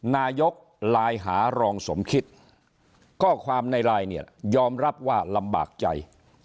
นายกรัฐมนตรีหลายหารองสมคิดก็ความในลายนี้ยอมรับว่าลำบากใจ